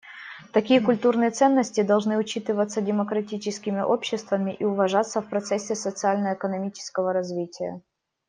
Такие культурные ценности должны учитываться демократическими обществами и уважаться в процессе социально-экономического развития.